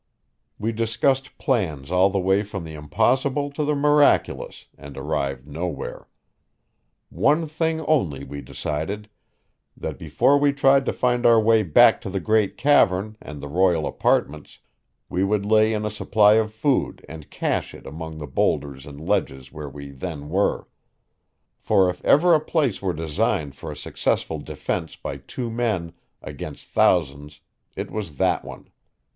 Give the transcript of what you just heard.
We discussed plans all the way from the impossible to the miraculous and arrived nowhere. One thing only we decided that before we tried to find our way back to the great cavern and the royal apartments we would lay in a supply of food and cache it among the boulders and ledges where we then were. For if ever a place were designed for a successful defense by two men against thousands it was that one.